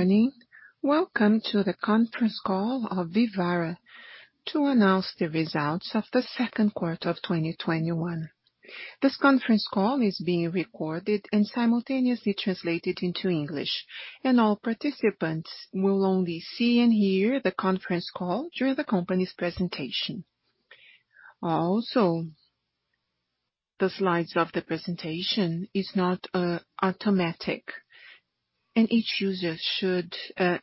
Good morning. Welcome to the conference call of Vivara to announce the results of the second quarter of 2021. This conference call is being recorded and simultaneously translated into English, and all participants will only see and hear the conference call during the company's presentation. The slides of the presentation is not automatic, and each user should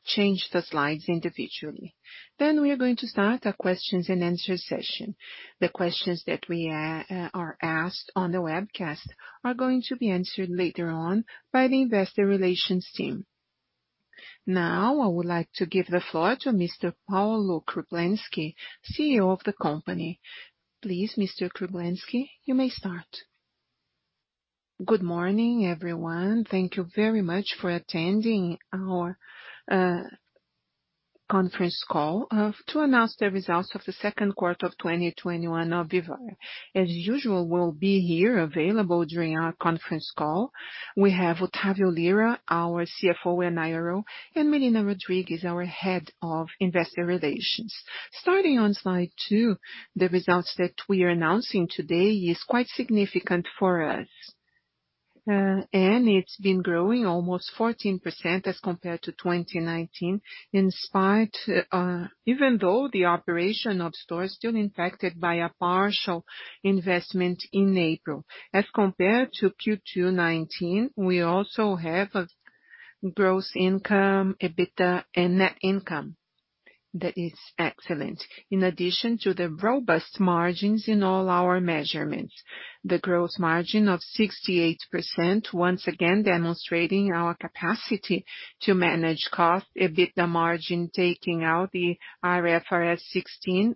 change the slides individually. We are going to start a questions and answer session. The questions that we are asked on the webcast are going to be answered later on by the Investor Relations team. I would like to give the floor to Mr. Paulo Kruglensky, CEO of the company. Please, Mr. Kruglensky, you may start. Good morning, everyone. Thank you very much for attending our conference call to announce the results of the second quarter of 2021 of Vivara. As usual, we'll be here available during our conference call. We have Otávio Lyra, our CFO and IRO, and Milena Rodrigues, our Head of Investor Relations. Starting on slide two, the results that we are announcing today are quite significant for us. It's been growing almost 14% as compared to 2019, even though the operation of stores still impacted by a partial investment in April. As compared to Q2 2019, we also have a gross income, EBITDA, and net income that is excellent. In addition to the robust margins in all our measurements, the gross margin of 68%, once again demonstrating our capacity to manage costs. EBITDA margin, taking out IFRS 16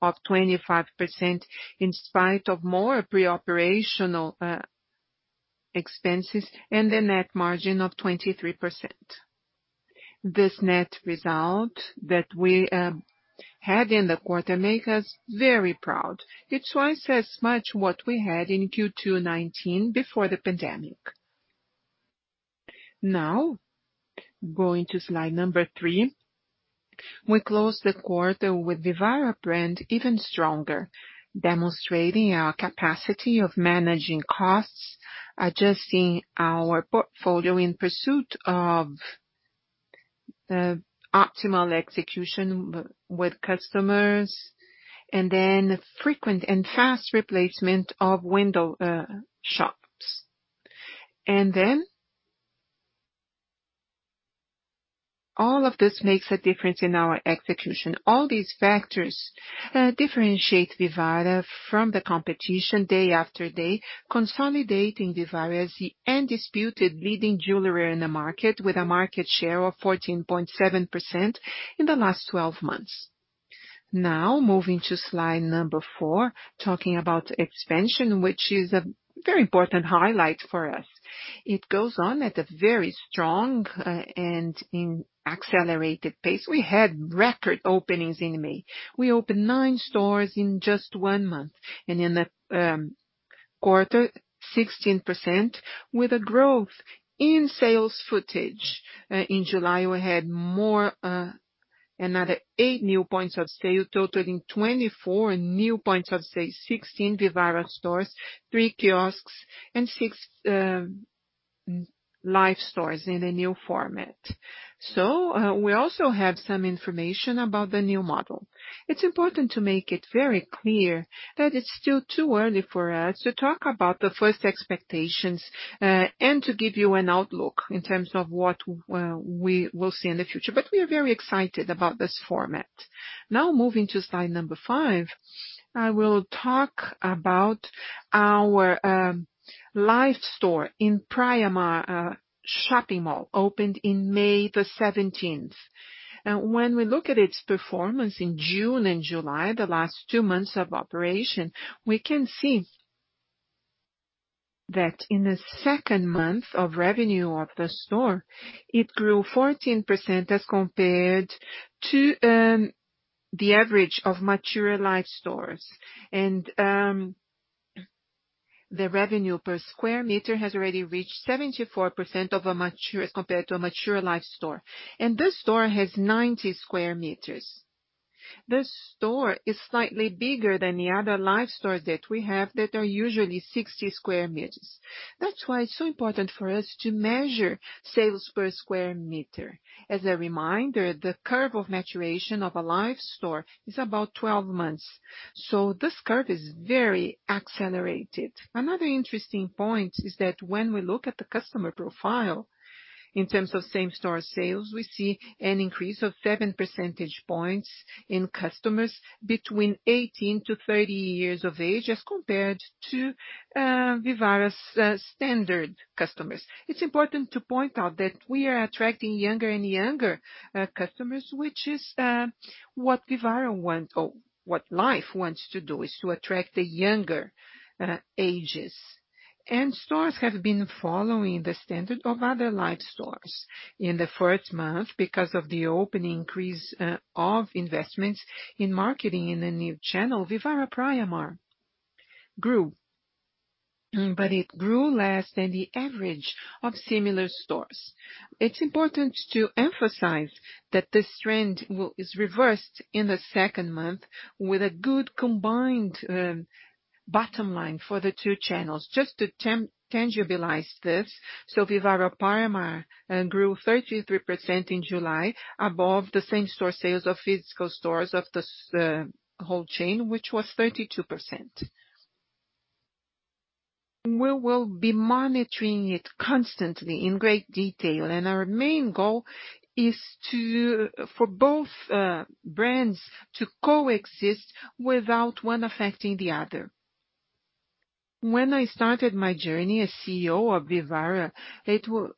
of 25%, in spite of more pre-operational expenses and the net margin of 23%. This net result that we had in the quarter makes us very proud. It's twice as much what we had in Q2 2019 before the pandemic. Now, going to slide number three. We closed the quarter with Vivara brand even stronger, demonstrating our capacity of managing costs, adjusting our portfolio in pursuit of the optimal execution with customers, and then frequent and fast replacement of window shops. All of this makes a difference in our execution. All these factors differentiate Vivara from the competition day after day, consolidating Vivara as the undisputed leading jeweler in the market with a market share of 14.7% in the last 12 months. Now moving to slide number four, talking about expansion, which is a very important highlight for us. It goes on at a very strong and accelerated pace. We had record openings in May. We opened nine stores in just one month, and in the quarter, 16% with a growth in sales footage. In July, we had another eight new points of sale, totaling 24 new points of sale, 16 Vivara stores, three kiosks, and six Life stores in a new format. We also have some information about the new model. It's important to make it very clear that it's still too early for us to talk about the first expectations, and to give you an outlook in terms of what we will see in the future. We are very excited about this format. Now moving to slide number five, I will talk about our Life store in Praiamar Shopping Mall, opened in May 17th. When we look at its performance in June and July, the last two months of operation, we can see that in the second month of revenue of the store, it grew 14% as compared to the average of mature Life stores. The revenue per square meter has already reached 74% compared to a mature Life store. This store has 90 sq m. This store is slightly bigger than the other Life stores that we have that are usually 60 sq m. That's why it's so important for us to measure sales per square meter. As a reminder, the curve of maturation of a Life store is about 12 months. This curve is very accelerated. Another interesting point is that when we look at the customer profile in terms of same-store sales, we see an increase of 7 percentage points in customers between 18 to 30 years of age as compared to Vivara's standard customers. It's important to point out that we are attracting younger and younger customers, which is what Life wants to do is to attract the younger ages. Stores have been following the standard of other Life stores. In the first month, because of the opening increase of investments in marketing in the new channel, Vivara Praiamar grew. It grew less than the average of similar stores. It's important to emphasize that this trend is reversed in the second month, with a good combined bottom line for the two channels. Just to tangibilize this, Vivara Praiamar grew 33% in July above the same-store sales of physical stores of the whole chain, which was 32%. We will be monitoring it constantly in great detail. Our main goal is for both brands to coexist without one affecting the other. When I started my journey as CEO of Vivara, it was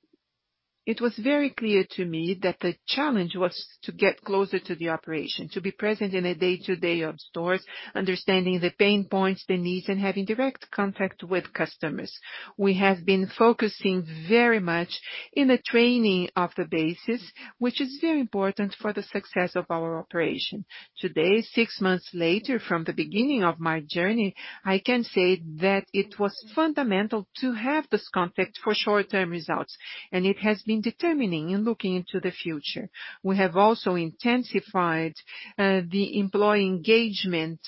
very clear to me that the challenge was to get closer to the operation, to be present in the day-to-day of stores, understanding the pain points, the needs, and having direct contact with customers. We have been focusing very much on the training of the bases, which is very important for the success of our operation. Today, six months later from the beginning of my journey, I can say that it was fundamental to have this contact for short-term results, and it has been determining in looking into the future. We have also intensified the employee engagement,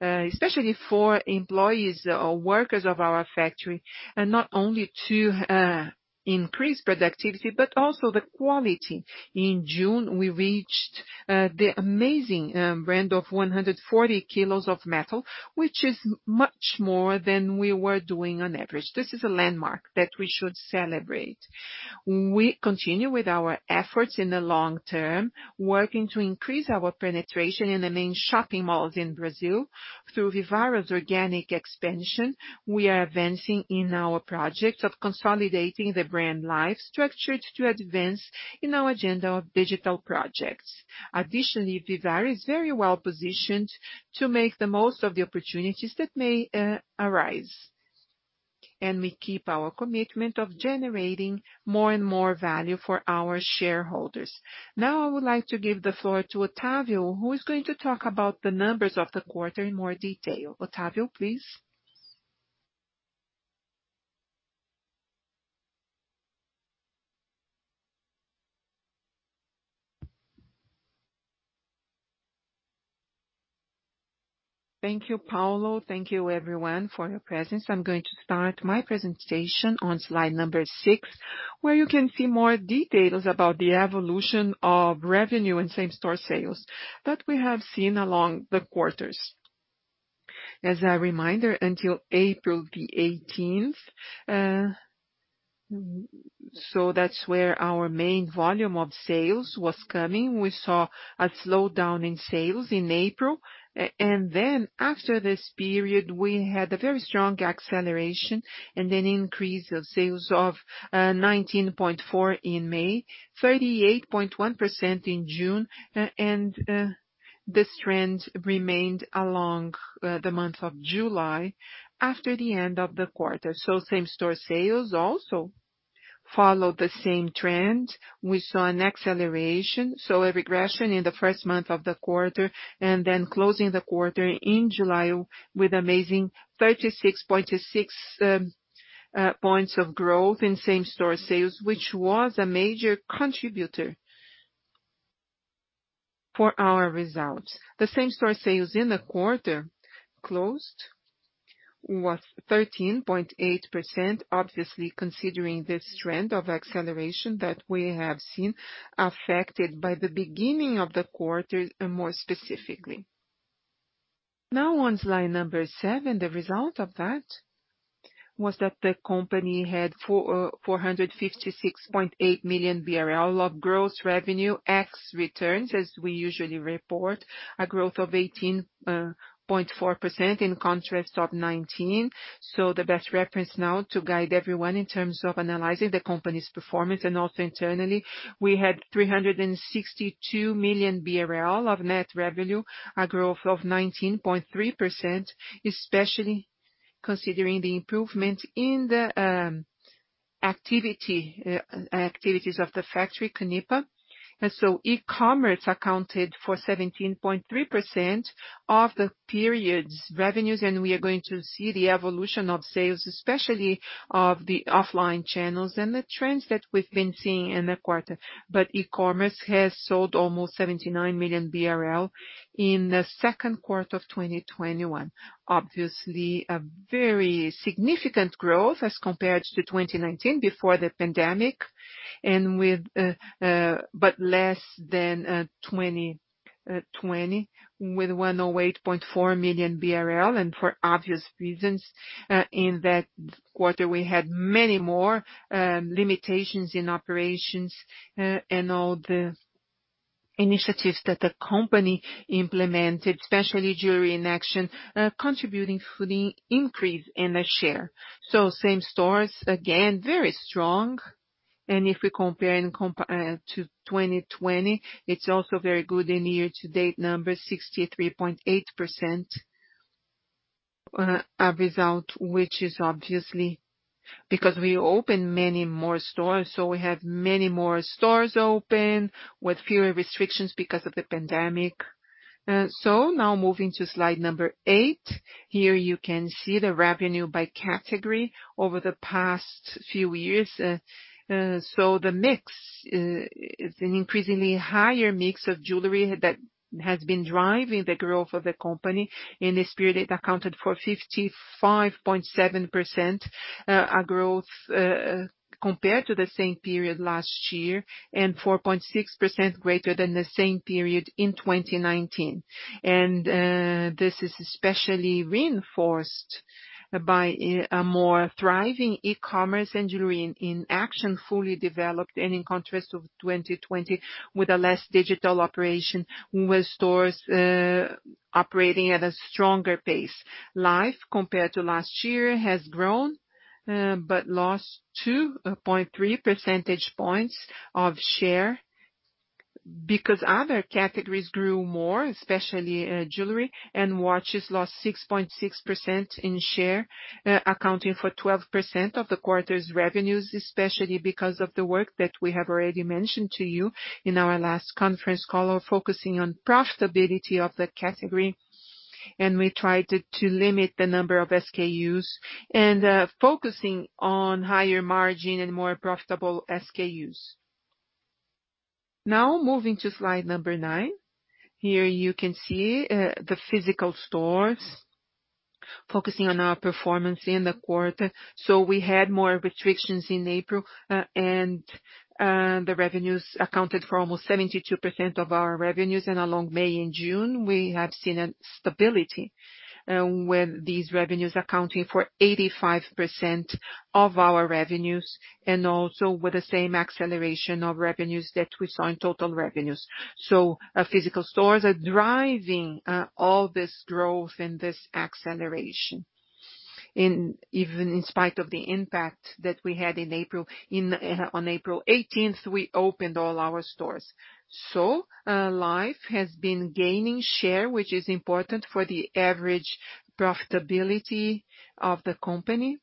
especially for employees or workers of our factory, not only to increase productivity, but also the quality. In June, we reached the amazing brand of 140 kg of metal, which is much more than we were doing on average. This is a landmark that we should celebrate. We continue with our efforts in the long term, working to increase our penetration in the main shopping malls in Brazil through Vivara's organic expansion. We are advancing in our projects of consolidating the Life by Vivara structured to advance in our agenda of digital projects. Additionally, Vivara is very well-positioned to make the most of the opportunities that may arise. We keep our commitment of generating more and more value for our shareholders. Now I would like to give the floor to Otávio, who is going to talk about the numbers of the quarter in more detail. Otávio, please. Thank you, Paulo. Thank you everyone for your presence. I'm going to start my presentation on slide number six, where you can see more details about the evolution of revenue and same-store sales that we have seen along the quarters. As a reminder, until April the 18th, that's where our main volume of sales was coming. We saw a slowdown in sales in April. Then after this period, we had a very strong acceleration and an increase of sales of 19.4% in May, 38.1% in June- this trend remained along the month of July after the end of the quarter. Same-store sales also followed the same trend. We saw an acceleration, so a regression in the first month of the quarter. Then closing the quarter in July with amazing 36.6 points of growth in same-store sales, which was a major contributor for our results. The same-store sales in the quarter closed was 13.8%, obviously considering this trend of acceleration that we have seen affected by the beginning of the quarter more specifically. On slide number seven, the result of that was that the company had 456.8 million BRL of gross revenue, ex returns, as we usually report. Growth of 18.4% in contrast to 2019. The best reference now to guide everyone in terms of analyzing the company's performance and also internally, we had 362 million BRL of net revenue, a growth of 19.3%, especially considering the improvement in the activities of the factory Conipa. E-commerce accounted for 17.3% of the period's revenues, and we are going to see the evolution of sales, especially of the offline channels and the trends that we've been seeing in the quarter. E-commerce has sold almost 79 million BRL in the second quarter of 2021. Obviously, very significant growth as compared to 2019 before the pandemic, but less than 2020 with 108.4 million BRL, for obvious reasons. In that quarter, we had many more limitations in operations and all the initiatives that the company implemented, especially Jewelry in Action, contributing to the increase in the share. Same stores, again, very strong. If we compare to 2020, it's also very good in year-to-date 63.8%, a result which is obviously- because we opened many more stores, we have many more stores open with fewer restrictions because of the pandemic. Now moving to slide number eight. Here you can see the revenue by category over the past few years. The mix is an increasingly higher mix of jewelry that has been driving the growth of the company. In this period, it accounted for 55.7% growth compared to the same period last year, and 4.6% greater than the same period in 2019. This is especially reinforced by a more thriving e-commerce and Jewelry in Action, fully developed and in contrast of 2020 with a less digital operation, with stores operating at a stronger pace. Life, compared to last year, has grown but lost 2.3 percentage points of share because other categories grew more, especially jewelry, and watches lost 6.6% in share, accounting for 12% of the quarter's revenues, especially because of the work that we have already mentioned to you in our last conference call, focusing on profitability of that category. We tried to limit the number of SKUs and focusing on higher margin and more profitable SKUs. Moving to slide number nine. Here you can see the physical stores focusing on our performance in the quarter. We had more restrictions in April, and the revenues accounted for almost 72% of our revenues. Along May and June, we have seen a stability with these revenues accounting for 85% of our revenues, and also with the same acceleration of revenues that we saw in total revenues. Physical stores are driving all this growth and this acceleration. Even in spite of the impact that we had in April. On April 18th, we opened all our stores. Life has been gaining share, which is important for the average profitability of the company,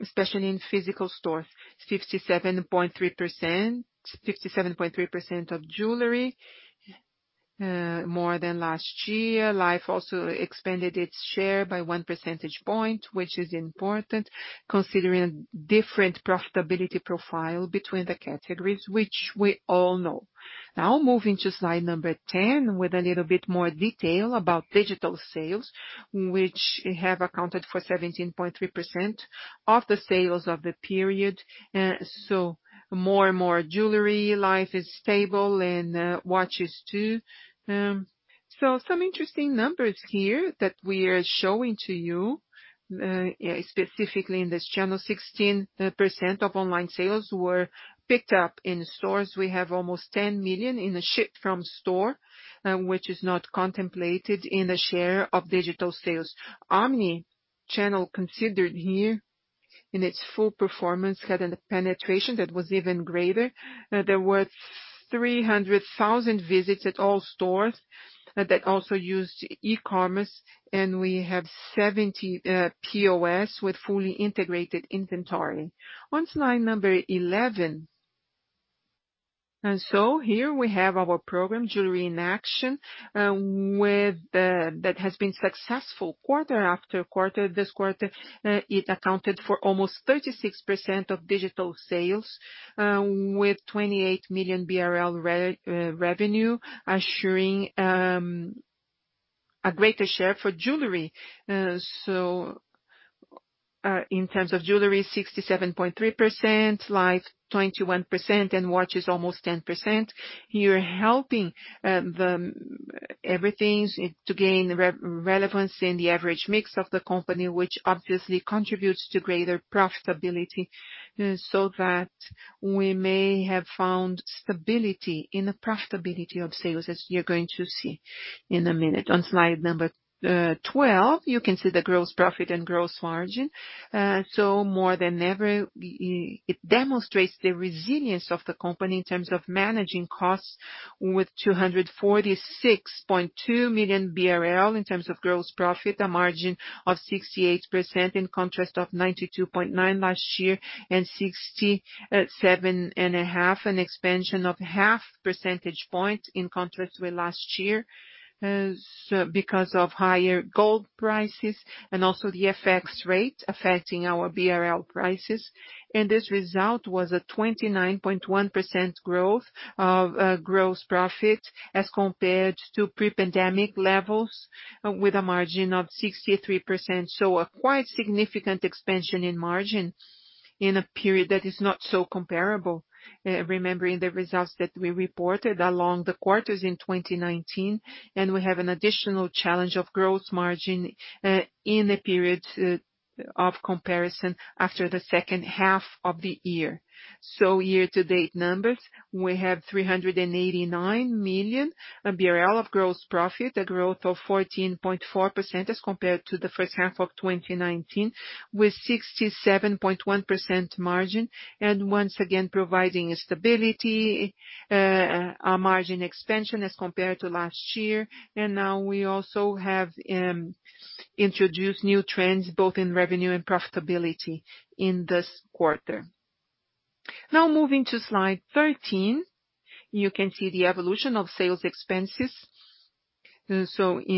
especially in physical stores, 57.3% of jewelry, more than last year. Life also expanded its share by 1 percentage point, which is important considering different profitability profile between the categories, which we all know. Moving to slide number 10, with a little bit more detail about digital sales, which have accounted for 17.3% of the sales of the period. More and more jewelry, Life is stable and watches too. Some interesting numbers here that we are showing to you, specifically in this channel, 16% of online sales were picked up in stores. We have almost 10 million in the ship from store, which is not contemplated in the share of digital sales. Omni-channel considered here in its full performance, had a penetration that was even greater. There were 300,000 visits at all stores that also used e-commerce, and we have 70 POS with fully integrated inventory. On slide number 11. Here we have our program, Jewelry in Action, that has been successful quarter after quarter. This quarter, it accounted for almost 36% of digital sales with 28 million BRL revenue, assuring a greater share for jewelry. In terms of jewelry, 67.3%, Life 21%, and watches almost 10%, here helping everything to gain relevance in the average mix of the company, which obviously contributes to greater profitability, so that we may have found stability in the profitability of sales, as you're going to see in a minute. On slide 12, you can see the gross profit and gross margin. More than ever, it demonstrates the resilience of the company in terms of managing costs with 246.2 million BRL in terms of gross profit, a margin of 68%, in contrast of 92.9% last year and 67.5%, an expansion of half percentage point in contrast with last year- because of higher gold prices and also the FX rate affecting our BRL prices. This result was a 29.1% growth of gross profit as compared to pre-pandemic levels with a margin of 63%. A quite significant expansion in margin in a period that is not so comparable, remembering the results that we reported along the quarters in 2019. We have an additional challenge of gross margin in the periods of comparison after the second half of the year. Year-to-date numbers, we have 389 million of gross profit, a growth of 14.4% as compared to the first half of 2019, with 67.1% margin, and once again providing stability, a margin expansion as compared to last year. Now we also have introduced new trends both in revenue and profitability in this quarter. Now moving to slide 13. You can see the evolution of sales expenses. In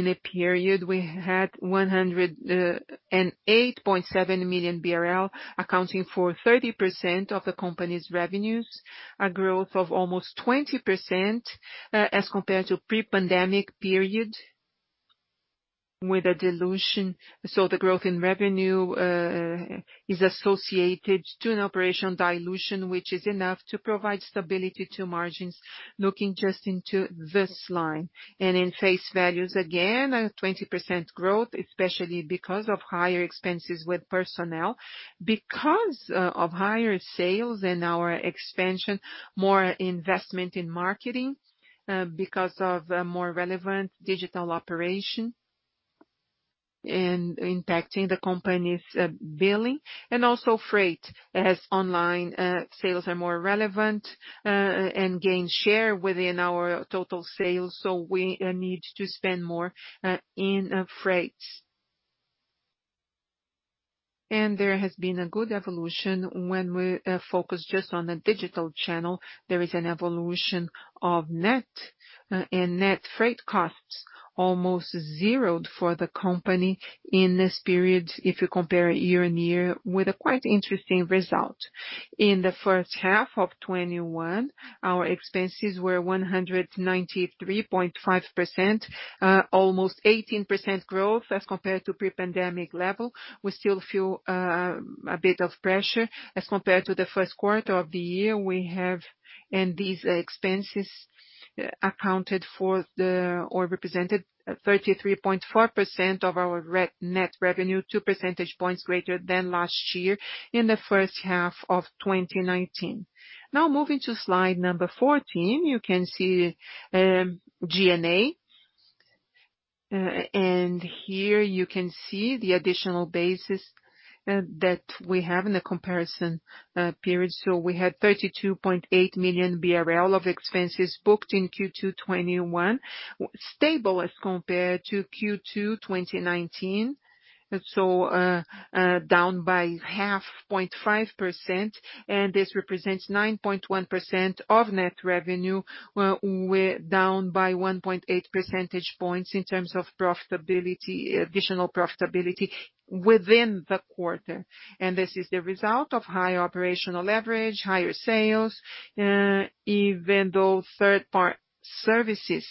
a period, we had 108.7 million BRL accounting for 30% of the company's revenues, a growth of almost 20% as compared to pre-pandemic period with a dilution. The growth in revenue is associated to an operation dilution, which is enough to provide stability to margins, looking just into this line. In face values, again, a 20% growth, especially because of higher expenses with personnel, because of higher sales and our expansion, more investment in marketing, because of a more relevant digital operation and impacting the company's billing. And also freight, as online sales are more relevant, and gain share within our total sales, so we need to spend more in freight. There has been a good evolution when we focus just on the digital channel. There is an evolution of net and net freight costs almost zeroed for the company in this period, if you compare year-on-year with a quite interesting result. In the first half of 2021, our expenses were 193.5%, almost 18% growth as compared to pre-pandemic level. We still feel a bit of pressure. Compared to the first quarter of the year, these expenses represented 33.4% of our net revenue, 2 percentage points greater than last year in the first half of 2019. Moving to slide number 14, you can see G&A. Here you can see the additional basis that we have in the comparison period. We had 32.8 million BRL of expenses booked in Q2 2021, stable as compared to Q2 2019. Down by half, 0.5%, and this represents 9.1% of net revenue, down by 1.8 percentage points in terms of additional profitability within the quarter. This is the result of higher operational leverage, higher sales, even though third-party services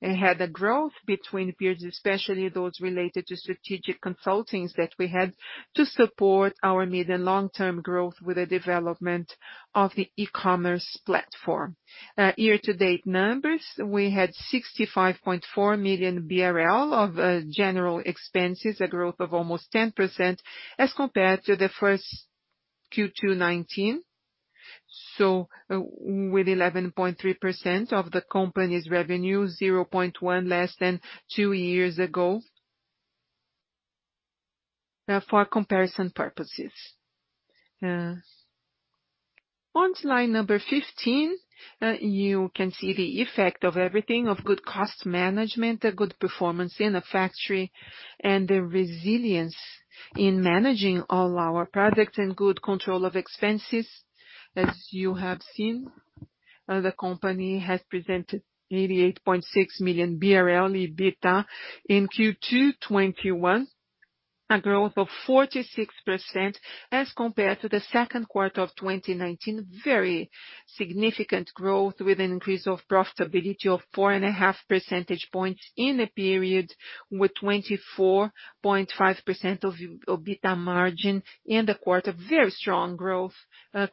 had a growth between periods, especially those related to strategic consultings that we had to support our medium long-term growth with the development of the e-commerce platform. Year-to-date numbers, we had 65.4 million BRL of general expenses, a growth of almost 10% as compared to the first Q2 2019. With 11.3% of the company's revenue, 0.1 less than two years ago for comparison purposes. On slide number 15, you can see the effect of everything- of good cost management, a good performance in the factory, and the resilience in managing all our products and good control of expenses. As you have seen, the company has presented 88.6 million BRL EBITDA in Q2 2021, a growth of 46% as compared to the second quarter of 2019. Very significant growth with an increase of profitability of 4.5 percentage points in the period with 24.5% of EBITDA margin in the quarter. Very strong growth with a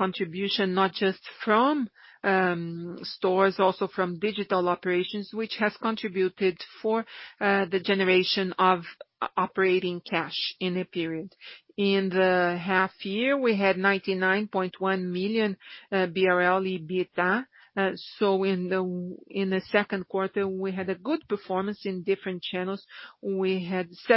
contribution not just from stores, also from digital operations, which has contributed for the generation of operating cash in the period. In the half year, we had 99.1 million BRL EBITDA. In the second quarter, we had a good performance in different channels. This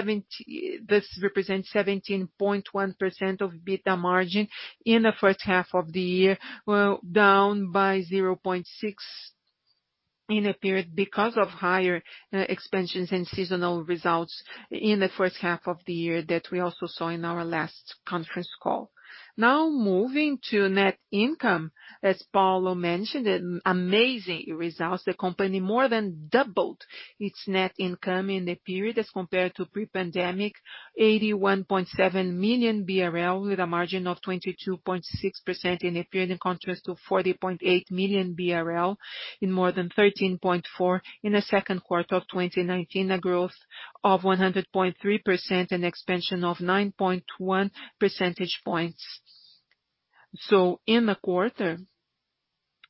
represents 17.1% of EBITDA margin in the first half of the year, down by 0.6 in the period because of higher expansions and seasonal results in the first half of the year that we also saw in our last conference call. Now moving to net income. As Paulo mentioned, amazing results. The company more than doubled its net income in the period as compared to pre-pandemic, 81.7 million BRL with a margin of 22.6% in the period, in contrast to 40.8 million BRL in more than 13.4% in the second quarter of 2019, a growth of 100.3%, an expansion of 9.1 percentage points. In the quarter,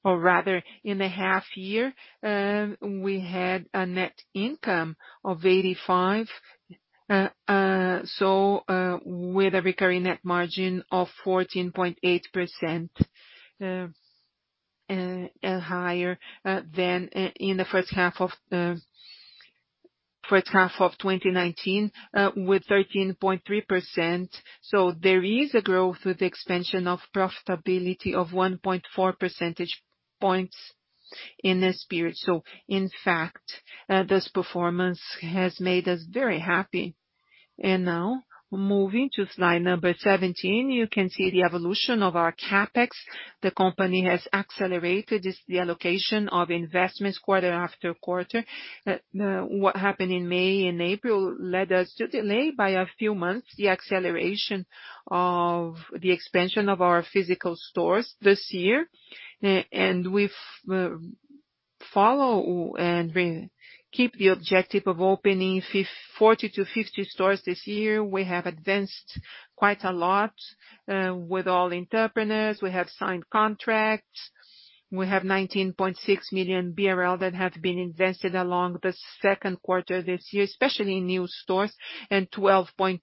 or rather, in the half year, we had a net income of 85 million. With a recurring net margin of 14.8%, higher than in the first half of 2019 with 13.3%. There is a growth with the expansion of profitability of 1.4 percentage points in this period. In fact, this performance has made us very happy. Now moving to slide number 17, you can see the evolution of our CapEx. The company has accelerated the allocation of investments quarter after quarter. What happened in May and April led us to delay by a few months the acceleration of the expansion of our physical stores this year. We follow and we keep the objective of opening 40 to 50 stores this year. We have advanced quite a lot with all entrepreneurs. We have signed contracts. We have 19.6 million BRL that have been invested along the second quarter this year, especially in new stores and 12.2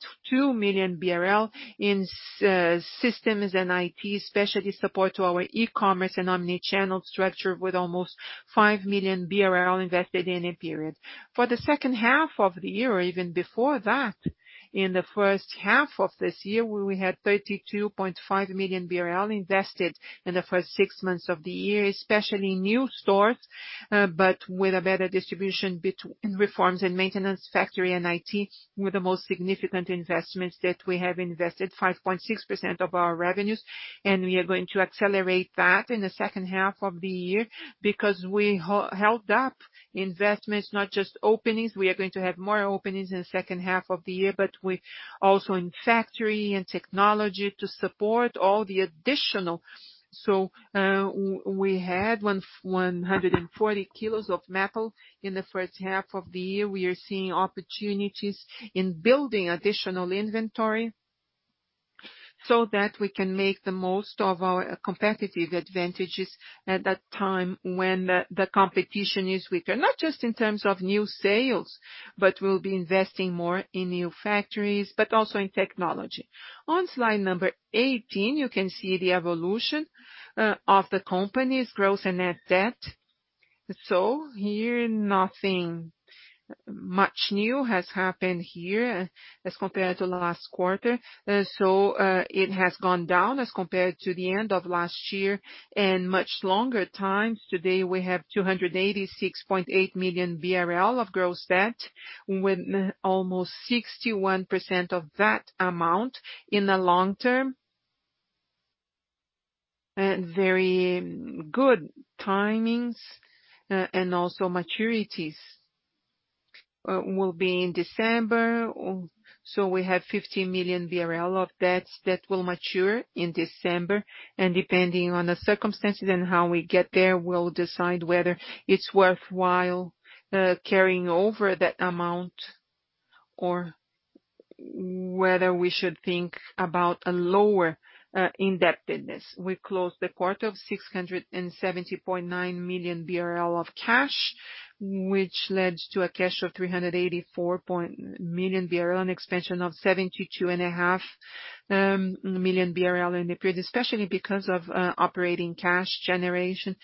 million BRL in systems and IT, especially support to our e-commerce and omni-channel structure with almost 5 million BRL invested in a period. For the second half of the year, even before that, in the first half of this year, we had 32.5 million BRL invested in the first six months of the year, especially new stores, but with a better distribution between reforms and maintenance, factory and IT were the most significant investments that we have invested 5.6% of our revenues. We are going to accelerate that in the second half of the year because we held up investments, not just openings. We are going to have more openings in the second half of the year, but we also in factory and technology to support. We had 140 kg of metal in the first half of the year. We are seeing opportunities in building additional inventory so that we can make the most of our competitive advantages at that time when the competition is weaker, not just in terms of new sales, but we'll be investing more in new factories, but also in technology. On slide number 18, you can see the evolution of the company's gross and net debt. Here nothing much new has happened here as compared to last quarter. It has gone down as compared to the end of last year and much longer times. Today we have 286.8 million BRL of gross debt with almost 61% of that amount in the long term. Very good timings and also maturities will be in December. We have 50 million BRL of debts that will mature in December, and depending on the circumstances and how we get there, we'll decide whether it's worthwhile carrying over that amount or whether we should think about a lower indebtedness. We closed the quarter of 670.9 million BRL of cash, which led to a cash of 384 million BRL, an expansion of 72.5 million BRL in the period, especially because of operating cash generation.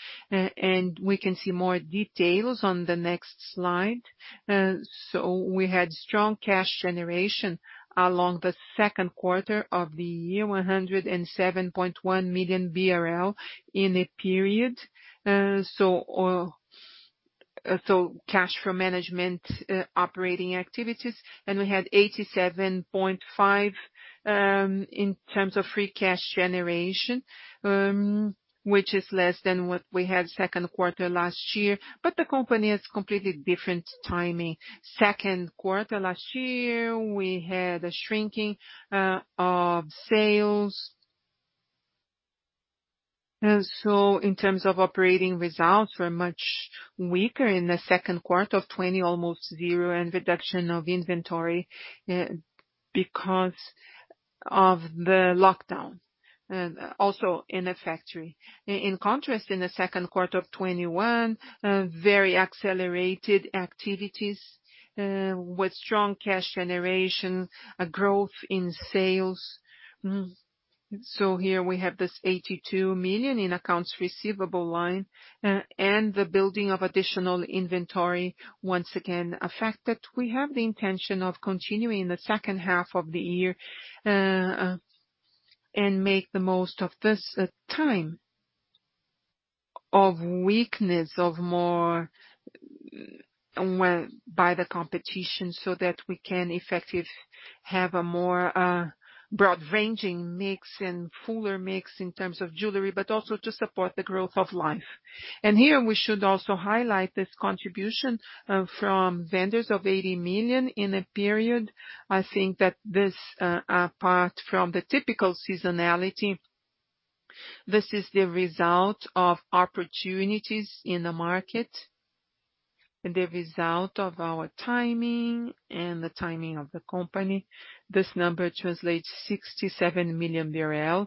we can see more details on the next slide. we had strong cash generation along the second quarter of the year, 107.1 million BRL in the period. Cash from management operating activities. we had 87.5, in terms of free cash generation, which is less than what we had second quarter last year. But the company has completely different timing. Second quarter last year, we had a shrinking of sales. In terms of operating results, were much weaker in the second quarter of 2020, almost zero and reduction of inventory because of the lockdown, also in the factory. In contrast, in the second quarter of 2021, very accelerated activities with strong cash generation, a growth in sales. Here we have this 82 million in accounts receivable line and the building of additional inventory once again affected. We have the intention of continuing the second half of the year and make the most of this time of weakness of more by the competition, so that we can effectively have a more broad ranging mix and fuller mix in terms of jewelry, but also to support the growth of Life. Here we should also highlight this contribution from vendors of 80 million in a period. I think that this apart from the typical seasonality, this is the result of opportunities in the market and the result of our timing and the timing of the company. This number translates 67 million BRL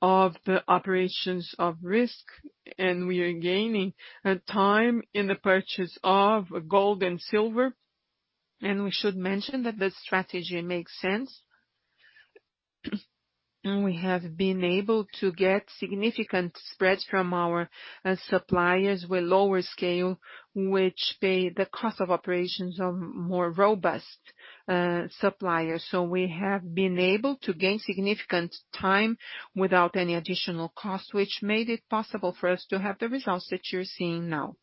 of the operations of risk. We are gaining time in the purchase of gold and silver. We should mention that the strategy makes sense. We have been able to get significant spreads from our suppliers with lower scale, which pay the cost of operations of more robust suppliers. We have been able to gain significant time without any additional cost, which made it possible for us to have the results that you're seeing now.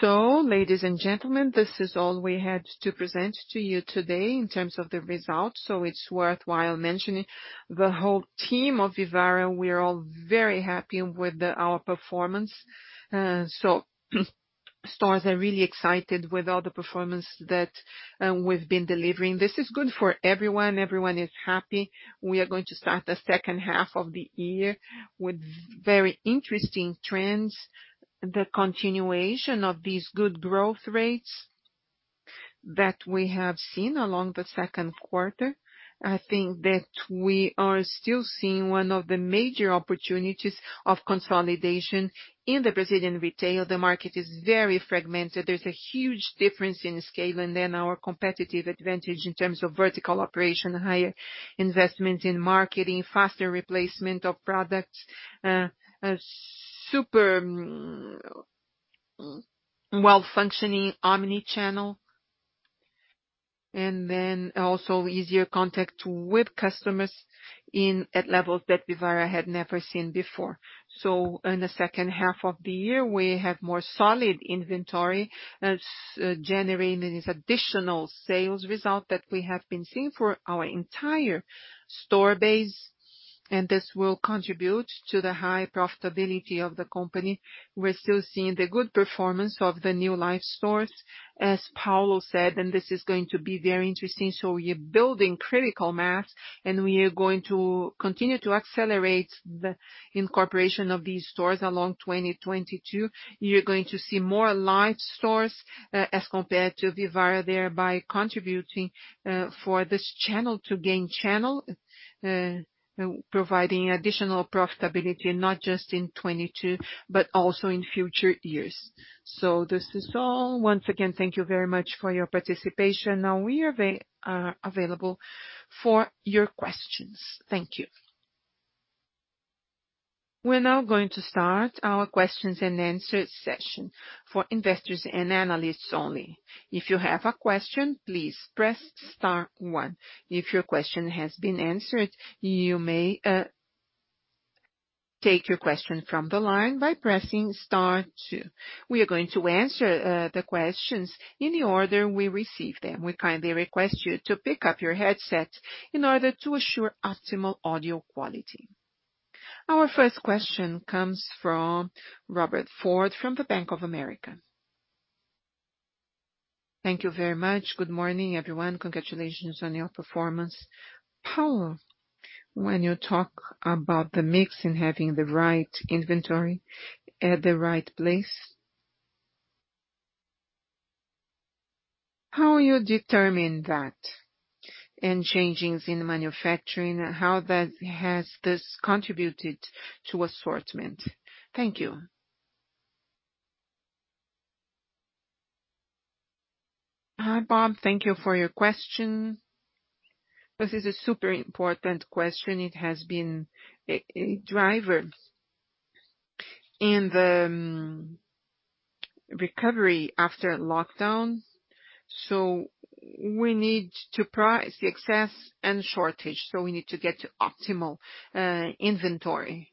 Ladies and gentlemen, this is all we had to present to you today in terms of the results. It's worthwhile mentioning the whole team of Vivara. We are all very happy with our performance. Stores are really excited with all the performance that we've been delivering. This is good for everyone. Everyone is happy. We are going to start the second half of the year with very interesting trends, the continuation of these good growth rates that we have seen along the second quarter. I think that we are still seeing one of the major opportunities of consolidation in the Brazilian retail. The market is very fragmented. There's a huge difference in scale and then our competitive advantage in terms of vertical operation, higher investment in marketing, faster replacement of products, super well-functioning omni-channel. Also easier contact with customers in at levels that Vivara had never seen before. In the second half of the year, we have more solid inventory that's generating these additional sales result that we have been seeing for our entire store base. This will contribute to the high profitability of the company. We're still seeing the good performance of the new Life stores, as Paulo said, and this is going to be very interesting. We are building critical mass and we are going to continue to accelerate the incorporation of these stores along 2022. You're going to see more Life stores, as compared to Vivara, thereby contributing for this channel- to gain channel, providing additional profitability, not just in 2022 but also in future years. This is all. Once again, thank you very much for your participation. Now we are available for your questions. Thank you. We're now going to start our questions and answers session for investors and analysts only. If you have a question, please press star one. If your question has been answered, you may take your question from the line by pressing star two. We are going to answer the questions in the order we receive them. We kindly request you to pick up your headset in order to assure optimal audio quality. Our first question comes from Robert Ford from the Bank of America. Thank you very much. Good morning, everyone. Congratulations on your performance. Paulo, when you talk about the mix and having the right inventory at the right place? How you determine that and changes in manufacturing, how that has this contributed to assortment? Thank you. Hi, Bob. Thank you for your question. This is a super important question. It has been a driver in the recovery after lockdown. We need to price the excess and shortage. We need to get to optimal inventory.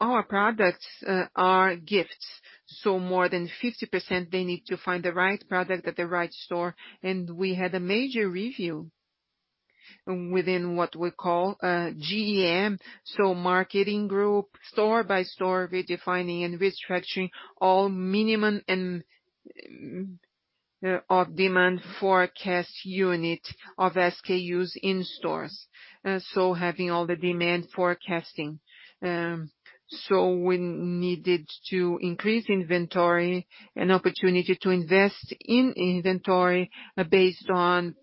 Our products are gifts. More than 50%, they need to find the right product at the right store. We had a major review within what we call GEM. Marketing group, store by store redefining and restructuring all minimum and of demand forecast unit of SKUs in stores. Having all the demand forecasting. We needed to increase inventory and opportunity to invest in inventory based on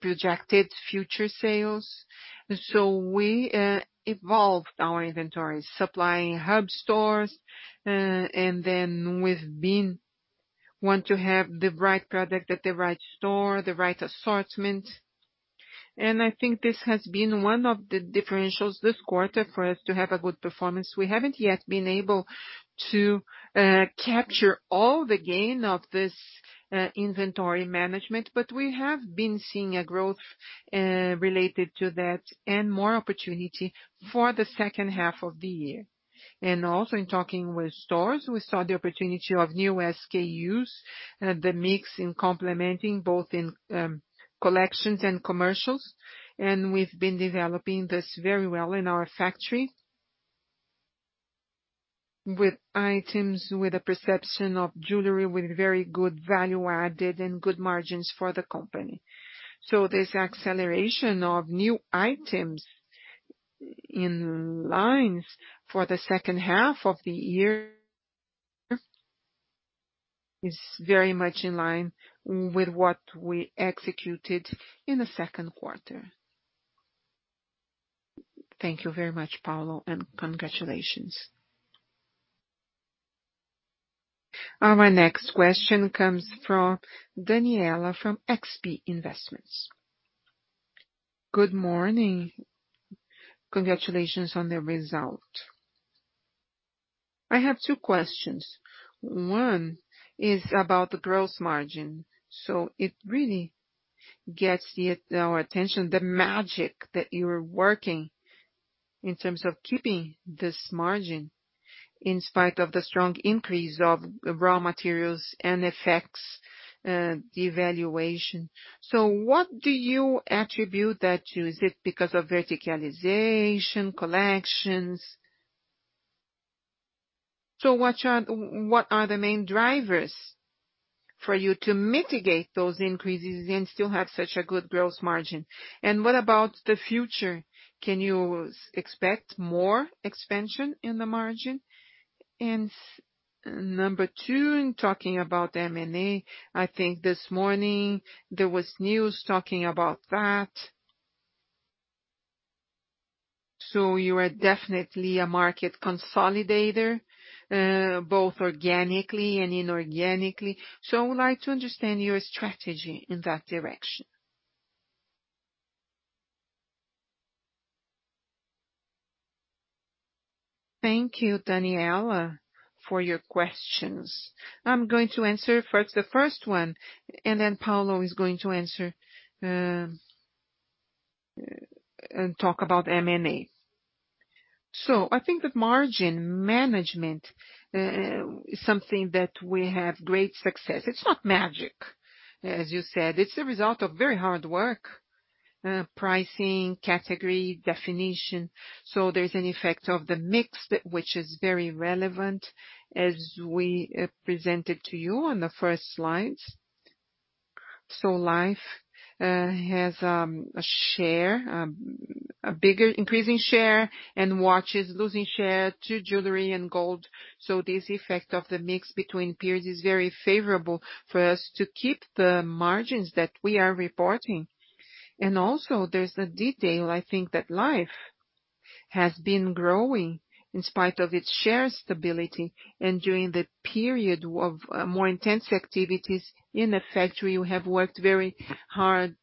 projected future sales. We evolved our inventory supplying hub stores, we've been want to have the right product at the right store, the right assortment. I think this has been one of the differentials this quarter for us to have a good performance. We haven't yet been able to capture all the gain of this inventory management, but we have been seeing a growth related to that and more opportunity for the second half of the year. Also in talking with stores, we saw the opportunity of new SKUs- the mix in complementing both in collections and commercials. We've been developing this very well in our factory with items, with a perception of jewelry, with very good value added and good margins for the company. This acceleration of new items in lines for the second half of the year is very much in line with what we executed in the second quarter. Thank you very much, Paulo, and congratulations. Our next question comes from Danniela, from XP Investimentos. Good morning. Congratulations on the result. I have two questions. One is about the gross margin. It really gets our attention, the magic that you're working in terms of keeping this margin in spite of the strong increase of raw materials and FX devaluation. What do you attribute that to? Is it because of verticalization, collections? What are the main drivers for you to mitigate those increases and still have such a good gross margin? What about the future? Can you expect more expansion in the margin? Number two, talking about M&A, I think this morning there was news talking about that. You are definitely a market consolidator, both organically and inorganically. I would like to understand your strategy in that direction. Thank you, Danniela, for your questions. I'm going to answer first the first one, and then Paulo is going to answer and talk about M&A. I think that margin management is something that we have great success. It's not magic, as you said. It's a result of very hard work, pricing, category definition. There's an effect of the mix, which is very relevant as we presented to you on the first slides. Life has a bigger increasing share and Watches losing share to Jewelry and Gold. This effect of the mix between periods is very favorable for us to keep the margins that we are reporting. Also there's a detail, I think, that Life has been growing in spite of its share stability. During the period of more intense activities in the factory, we have worked very hard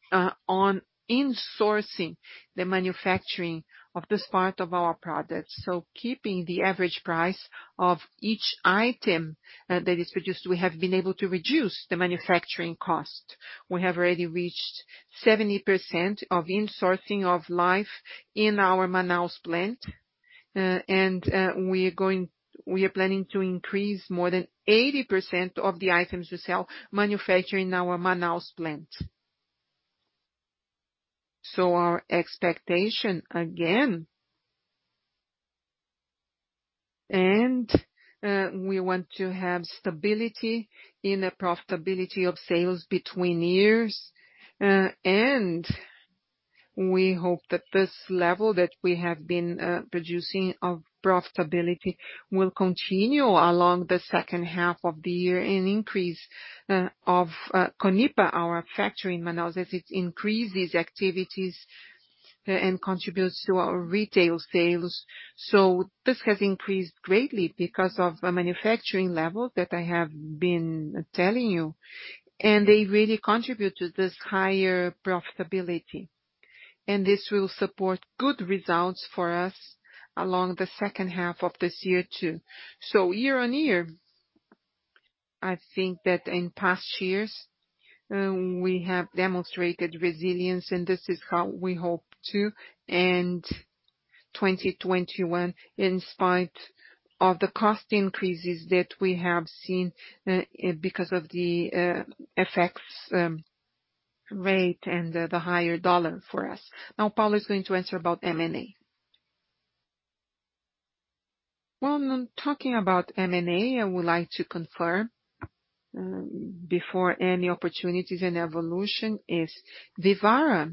on insourcing the manufacturing of this part of our products. Keeping the average price of each item that is produced, we have been able to reduce the manufacturing cost. We have already reached 70% of insourcing of Life in our Manaus plant. We are planning to increase more than 80% of the items we sell manufactured in our Manaus plant. Our expectation, again. We want to have stability in the profitability of sales between years. We hope that this level that we have been producing of profitability will continue along the second half of the year, an increase of Conipa, our factory in Manaus, as it increases activities and contributes to our retail sales. This has increased greatly because of the manufacturing level that I have been telling you, and they really contribute to this higher profitability. This will support good results for us along the second half of this year, too. Year on year, I think that in past years, we have demonstrated resilience, and this is how we hope to end 2021, in spite of the cost increases that we have seen because of the FX rate and the higher dollar for us. Paulo is going to answer about M&A. Talking about M&A, I would like to confirm before any opportunities and evolution is Vivara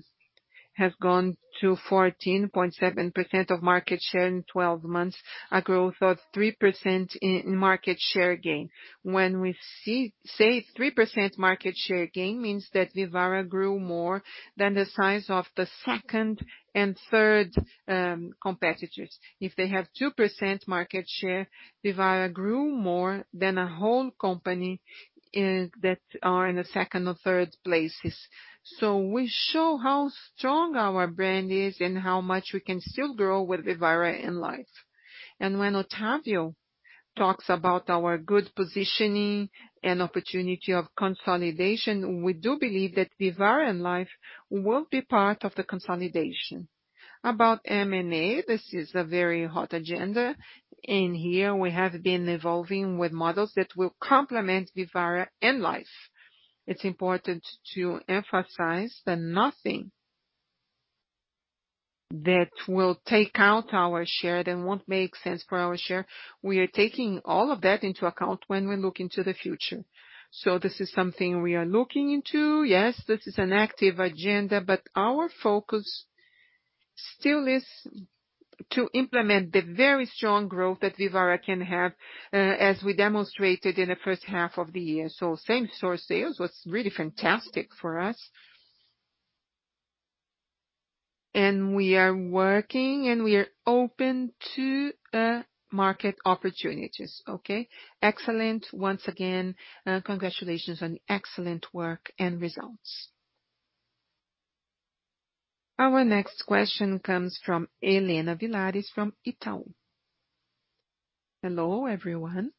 has gone to 14.7% of market share in 12 months, a growth of 3% in market share gain. When we say 3% market share gain means that Vivara grew more than the size of the second and third competitors. If they have 2% market share, Vivara grew more than a whole company that are in the second or third places. We show how strong our brand is and how much we can still grow with Vivara and Life. When Otávio talks about our good positioning and opportunity of consolidation, we do believe that Vivara and Life will be part of the consolidation. About M&A, this is a very hot agenda. In here, we have been evolving with models that will complement Vivara and Life. It's important to emphasize that nothing that will take out our share, that won't make sense for our share, we are taking all of that into account when we look into the future. This is something we are looking into. Yes, this is an active agenda, but our focus still is to implement the very strong growth that Vivara can have as we demonstrated in the first half of the year. Same-store sales was really fantastic for us. We are working, and we are open to market opportunities. Okay. Excellent. Once again, congratulations on the excellent work and results. Our next question comes from Helena Villares from Itaú. Hello, everyone.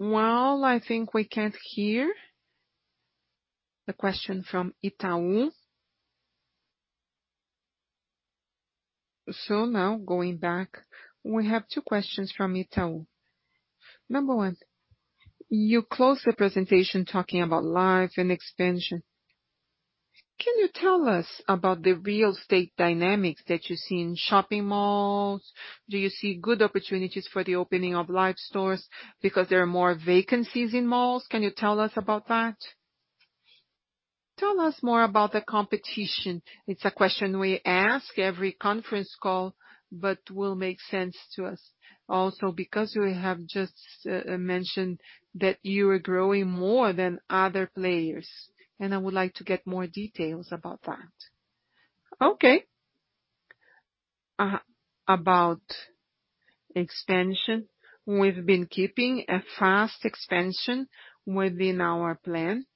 I think we can't hear the question from Itaú. Now going back, we have two questions from Itaú. Number one, you closed the presentation talking about Life and expansion. Can you tell us about the real estate dynamics that you see in shopping malls? Do you see good opportunities for the opening of Life stores because there are more vacancies in malls? Can you tell us about that? Tell us more about the competition. It's a question we ask every conference call, but will make sense to us also because you have just mentioned that you are growing more than other players, and I would like to get more details about that. Okay. About expansion, we've been keeping a fast expansion within our plan.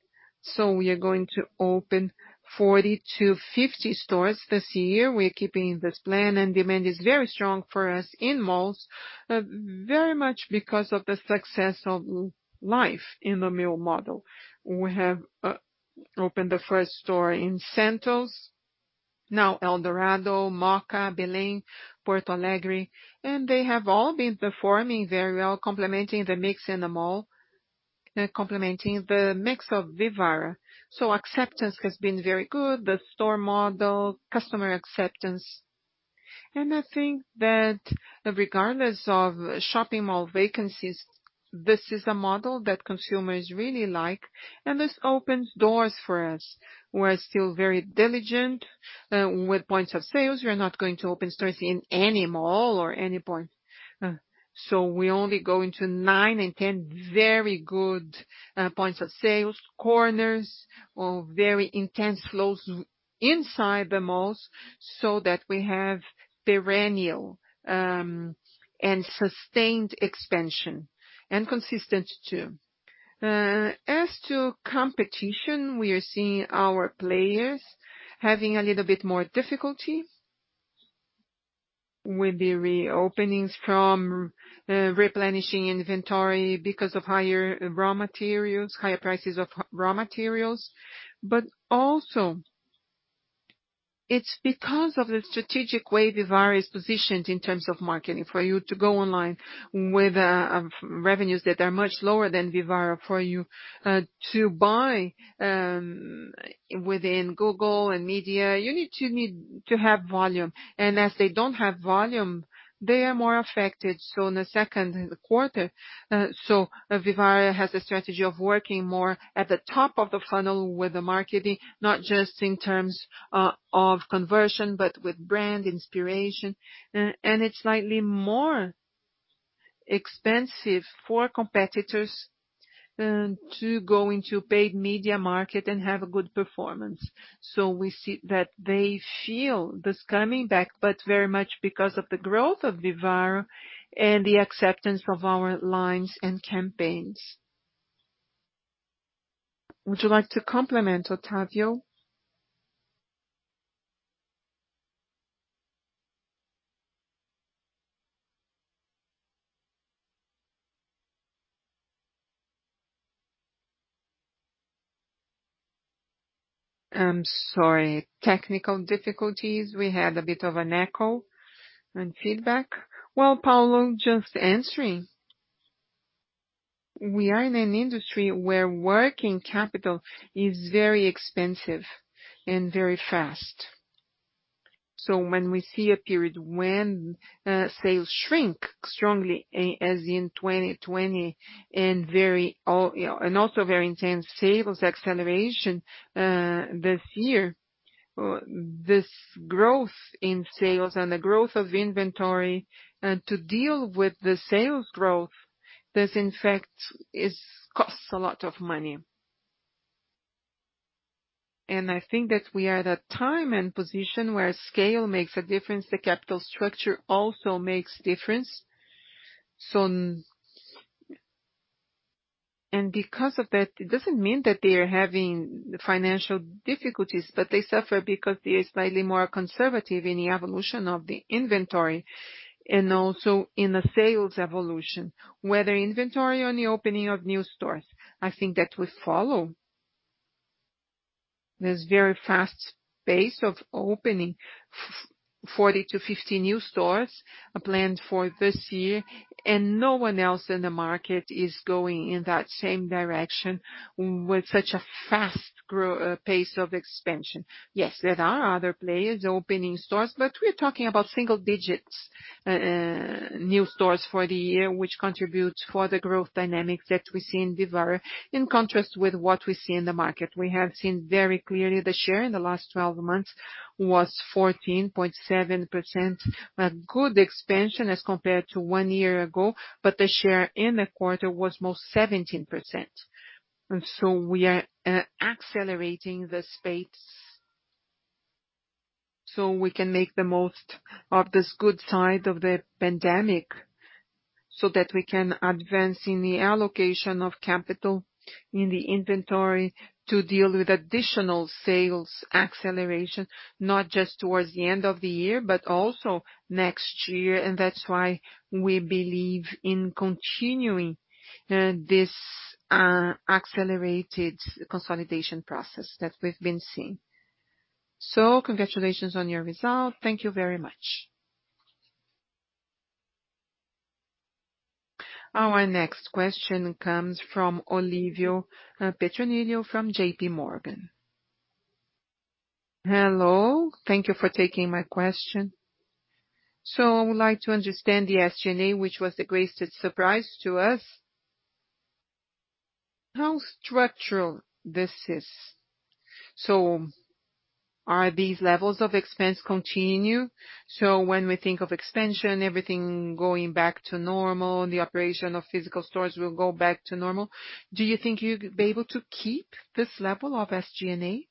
We are going to open 40 to 50 stores this year. We're keeping this plan, and demand is very strong for us in malls, very much because of the success of Life in the mall model. We have opened the first store in Santos, now Eldorado, Mooca, Belém, Porto Alegre, and they have all been performing very well, complementing the mix in the mall and complementing the mix of Vivara. Acceptance has been very good, the store model, customer acceptance. I think that regardless of shopping mall vacancies, this is a model that consumers really like, and this opens doors for us. We are still very diligent with points of sales. We are not going to open stores in any mall or any point. We only go into nine and 10 very good points of sales, corners, or very intense flows inside the malls so that we have perennial and sustained expansion, and consistent too. As to competition, we are seeing our players having a little bit more difficulty with the reopenings from replenishing inventory because of higher raw materials, higher prices of raw materials. Also it's because of the strategic way Vivara is positioned in terms of marketing. For you to go online with revenues that are much lower than Vivara, for you to buy within Google and media, you need to have volume. As they don't have volume, they are more affected. In the second quarter, Vivara has a strategy of working more at the top of the funnel with the marketing, not just in terms of conversion, but with brand inspiration. It's slightly more expensive for competitors to go into paid media market and have a good performance. We see that they feel this coming back, but very much because of the growth of Vivara and the acceptance of our lines and campaigns. Would you like to complement, Otávio? I'm sorry. Technical difficulties. We had a bit of an echo and feedback. Paulo, just answering- we are in an industry where working capital is very expensive and very fast. When we see a period when sales shrink strongly as in 2020 and also very intense sales acceleration this year, this growth in sales and the growth of inventory, and to deal with the sales growth, this in fact costs a lot of money. I think that we are at a time and position where scale makes a difference. The capital structure also makes difference. Because of that, it doesn't mean that they are having financial difficulties, but they suffer because they are slightly more conservative in the evolution of the inventory and also in the sales evolution. Whether inventory on the opening of new stores, I think that we follow this very fast pace of opening 40 to 50 new stores planned for this year, and no one else in the market is going in that same direction with such a fast pace of expansion. Yes, there are other players opening stores, but we're talking about single-digit new stores for the year, which contributes for the growth dynamics that we see in Vivara in contrast with what we see in the market. We have seen very clearly the share in the last 12 months was 14.7%, a good expansion as compared to 1 year ago, but the share in the quarter was more 17%. We are accelerating this pace so we can make the most of this good side of the pandemic, so that we can advance in the allocation of capital in the inventory to deal with additional sales acceleration, not just towards the end of the year, but also next year. That's why we believe in continuing this accelerated consolidation process that we've been seeing. Congratulations on your result. Thank you very much. Our next question comes from Olivia Petronilho from JPMorgan. Hello. Thank you for taking my question. I would like to understand the SG&A, which was the greatest surprise to us. How structural this is. Are these levels of expense continue? When we think of expansion, everything going back to normal, the operation of physical stores will go back to normal. Do you think you'd be able to keep this level of SG&A?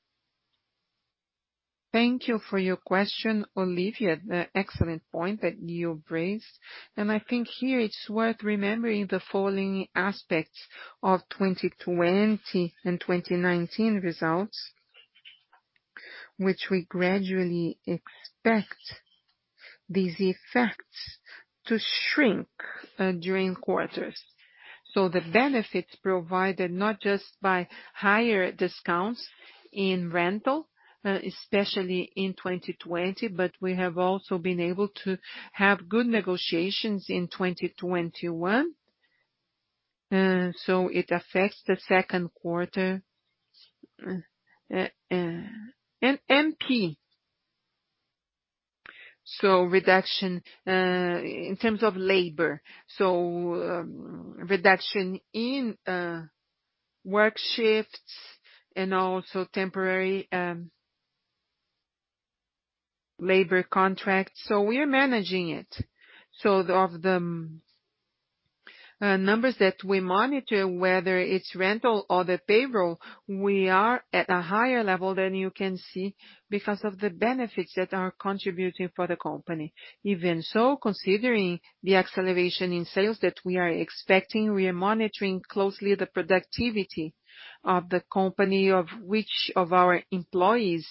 Thank you for your question, Olivia. Excellent point that you raised. I think here it's worth remembering the following aspects of 2020 and 2019 results, which we gradually expect these effects to shrink during quarters. The benefits provided not just by higher discounts in rental, especially in 2020, but we have also been able to have good negotiations in 2021. It affects the second quarter and MP. Reduction in terms of labor. Reduction in work shifts and also temporary labor contracts. We are managing it. Of the numbers that we monitor, whether it's rental or the payroll, we are at a higher level than you can see because of the benefits that are contributing for the company. Even so, considering the acceleration in sales that we are expecting, we are monitoring closely the productivity of the company, of which of our employees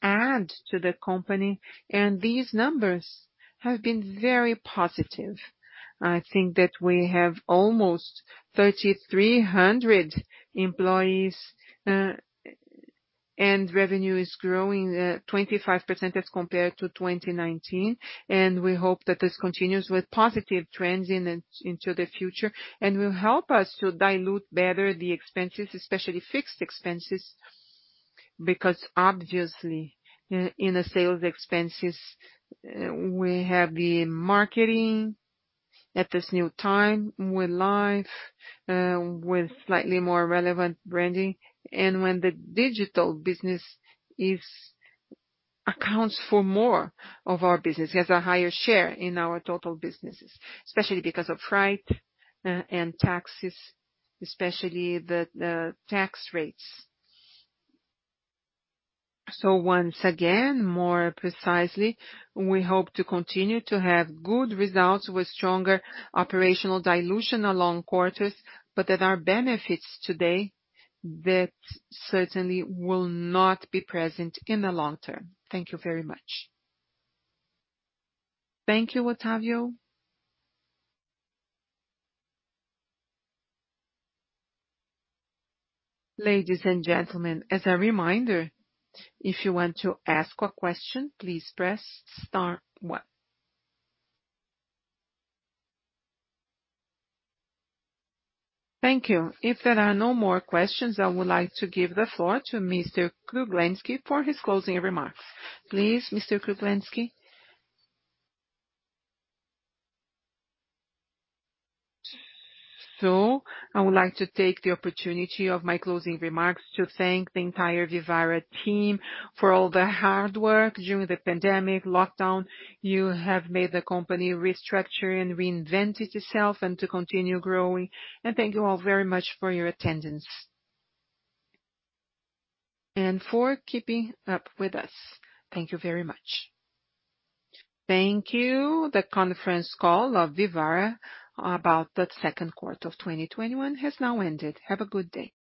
add to the company. These numbers have been very positive. I think that we have almost 3,300 employees, and revenue is growing 25% as compared to 2019. We hope that this continues with positive trends into the future and will help us to dilute better the expenses, especially fixed expenses, because obviously in the sales expenses, we have the marketing at this new time with Life, with slightly more relevant branding. When the digital business accounts for more of our business, has a higher share in our total businesses. Especially because of freight and taxes, especially the tax rates. Once again, more precisely, we hope to continue to have good results with stronger operational dilution along quarters, but there are benefits today that certainly will not be present in the long term. Thank you very much. Thank you, Otávio. Ladies and gentlemen, as a reminder, if you want to ask a question, please press star one. Thank you. If there are no more questions, I would like to give the floor to Mr. Kruglensky for his closing remarks. Please, Mr. Kruglensky. I would like to take the opportunity of my closing remarks to thank the entire Vivara team for all the hard work during the pandemic lockdown. You have made the company restructure and reinvent itself and to continue growing. Thank you all very much for your attendance and for keeping up with us. Thank you very much. Thank you. The conference call of Vivara about the second quarter of 2021 has now ended. Have a good day.